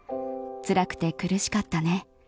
つらくて苦しかったね。